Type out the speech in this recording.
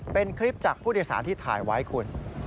เป็นคลิปจากผู้โดยสารที่ถ่ายไว้คุณ